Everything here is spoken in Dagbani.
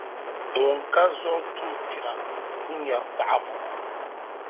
Ŋun ka zuɣu tum’ kpira ku nya paɣibu.